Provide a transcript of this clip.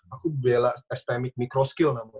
aku bela stmic micro skill namanya